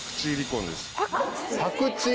パクチー？